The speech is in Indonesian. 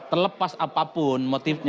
terlepas apapun motifnya